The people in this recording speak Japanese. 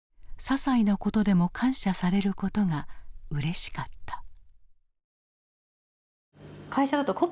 ささいなことでも感謝されることがうれしかった。